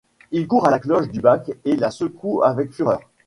Il court à la cloche du bac et la secoue avec fureur.